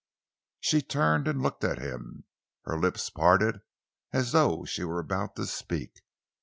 She turned and looked at him. Her lips parted as though she were about to speak.